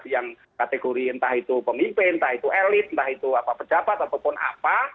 yang kategori entah itu pemimpin entah itu elit entah itu apa pejabat ataupun apa